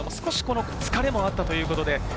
疲れもあったということで。